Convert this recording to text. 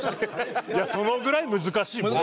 いやそのぐらい難しいもの。